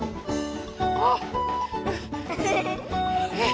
あっ。